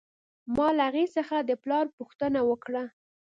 ما له هغې څخه د پلار پوښتنه وکړه